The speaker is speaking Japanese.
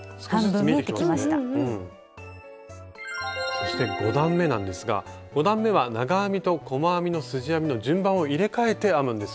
そして５段めなんですが５段めは長編みと細編みのすじ編みの順番を入れかえて編むんですよね。